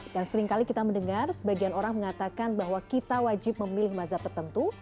dan seringkali kita mendengar sebagian orang mengatakan bahwa kita wajib memilih mazhab tertentu